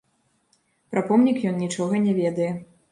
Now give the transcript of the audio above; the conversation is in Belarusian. Пра помнік ён нічога не ведае.